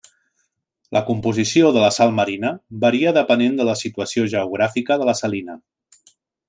La composició de la sal marina varia depenent de la situació geogràfica de la salina.